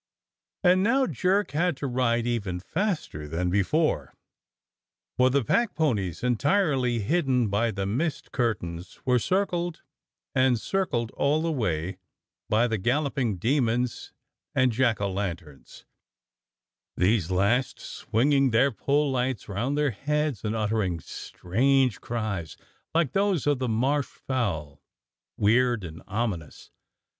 And now Jerk had to ride even faster than before, for the packponies, entirely hidden by the mist curtains, were circled and circled all the way by the galloping demons and jack o' lanterns, these last swinging their pole lights round their heads and uttering strange cries like those of the Marsh fowl, weird and ominous.